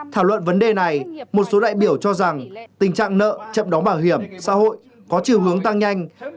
thảo luận vấn đề này một số đại biểu cho rằng tình trạng nợ chậm đóng bảo hiểm xã hội có chiều hướng tăng nhanh